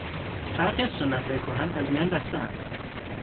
برخی از سنتهای کهن از میان رفتهاند.